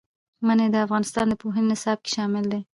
منی د افغانستان د پوهنې نصاب کې شامل دي.